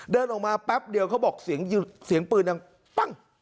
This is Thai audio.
เดินออกมาแป๊บเดียวเขาบอกเสียงปืนดังปั้ง